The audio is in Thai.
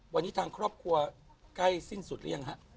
วันนี้ทางครอบครัวใกล้สิ้นสุดหรือยังฮะ